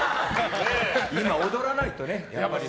今、踊らないとね、やっぱり。